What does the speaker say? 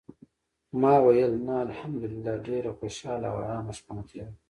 ما ویل: "نه، الحمدلله ډېره خوشاله او آرامه شپه مو تېره کړه".